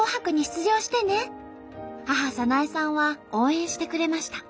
母早苗さんは応援してくれました。